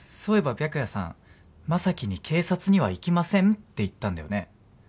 そういえば白夜さん将貴に警察には行きませんって言ったんだよね？